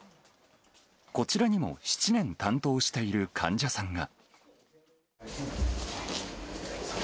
こちらにも７年担当している患者さんが。